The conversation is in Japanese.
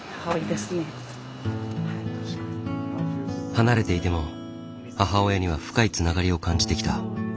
離れていても母親には深いつながりを感じてきた。